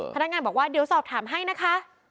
พนักงานบอกว่าเดี๋ยวสอบถามให้นะคะ